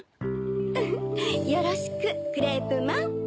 ウフっよろしくクレープマン。